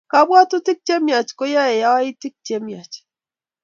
Kapwatutik che myach koiyei yaetik che myach